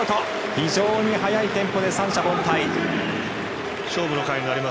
非常に速いテンポで三者凡退。